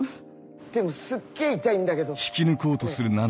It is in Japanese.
でもすっげぇ痛いんだけどねぇ。